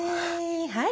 はい。